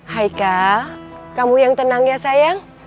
haika kamu yang tenang ya sayang